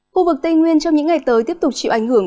khu vực tây nguyên trong những ngày tới tiếp tục chịu ảnh hưởng